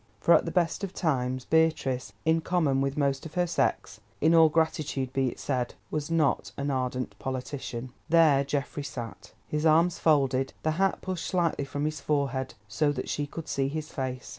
For, at the best of times, Beatrice—in common with most of her sex—in all gratitude be it said, was not an ardent politician. There Geoffrey sat, his arms folded—the hat pushed slightly from his forehead, so that she could see his face.